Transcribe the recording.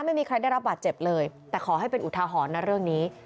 ไม่มีใครได้รับบาดเจ็บเลยแต่ขอให้เป็นอุทาหรณ์นะเรื่องนี้